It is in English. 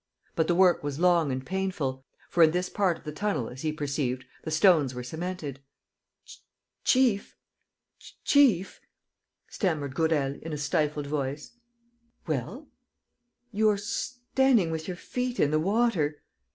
But the work was long and painful, for in this part of the tunnel, as he perceived the stones were cemented. "Chief ... chief," stammered Gourel, in a stifled voice. ... "Well?" "You are standing with your feet in the water."